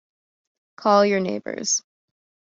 Call your neighbors!